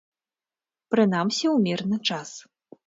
Прынамсі ў мірны час.